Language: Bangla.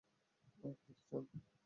আপনি কি চান?